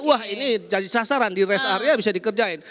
wah ini jadi sasaran di rest area bisa dikerjain